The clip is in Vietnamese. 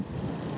phong tỏa hẹp